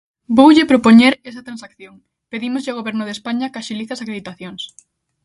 Voulle propoñer esa transacción: pedímoslle ao Goberno de España que axilice as acreditacións.